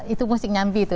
itu musik nyambi itu